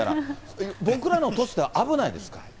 僕らの年では危ないですか？